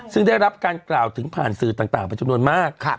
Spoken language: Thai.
ซึ่งได้รับการกล่าวถึงผ่านสื่อต่างเป็นจำนวนมาก